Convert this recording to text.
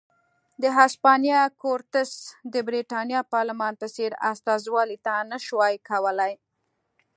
د هسپانیا کورتس د برېټانیا پارلمان په څېر استازولي نه شوای کولای.